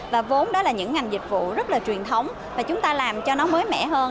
và vốn đó là những ngành dịch vụ rất là truyền thống và chúng ta làm cho nó mới mẻ hơn